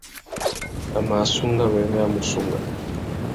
A mà assunga wêrê a mù sunga.